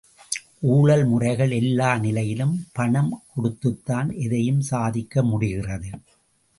ஊழல் முறைகள் எல்லா நிலையிலும் பணம் கொடுத்துத்தான் எதையும் சாதிக்கமுடிகிறது.